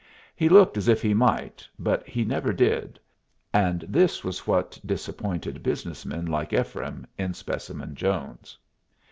He looked as if he might, but he never did; and this was what disappointed business men like Ephraim in Specimen Jones.